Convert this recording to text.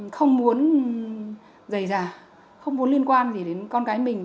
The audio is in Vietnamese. không muốn giày dà không muốn liên quan gì đến con cái mình